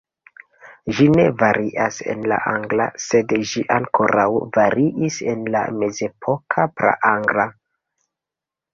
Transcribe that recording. Ĝi ne varias en la angla, sed ĝi ankoraŭ variis en la mezepoka praangla.